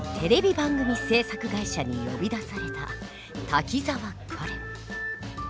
番組制作会社に呼び出された滝沢カレン。